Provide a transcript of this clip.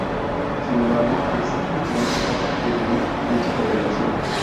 Sin embargo, existen diferentes formas de medir dicha correlación.